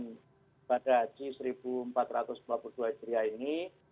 ibadah haji seribu empat ratus empat puluh dua hijriah ini